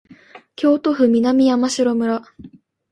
京都府南山城村